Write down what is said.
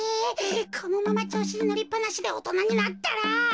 このままちょうしにのりっぱなしでおとなになったら。